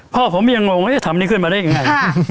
พ่อผมยังงงว่าจะทำนี้ขึ้นมาได้ยังไง